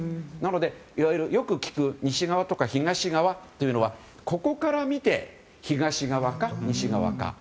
なので、よく聞く西側とか東側というのはここから見て東側か西側か。